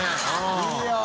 いいよ！＼